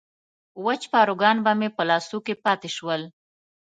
وچ پاروګان به مې په لاسو کې پاتې شول.